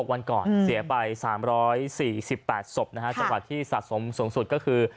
วันก่อนเสียไป๓๔๘ศพนะฮะจังหวัดที่สะสมสูงสุดก็คือ